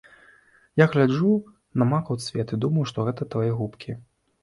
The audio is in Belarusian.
Я гляджу на макаў цвет і думаю, што гэта твае губкі.